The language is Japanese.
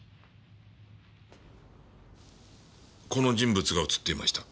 この人物が映っていました。